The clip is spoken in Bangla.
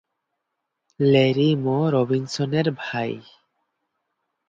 ল্যারি মো রবিনসনের ভাই।